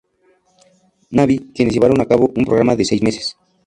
Navy, quienes llevaron a cabo un programa de seis meses.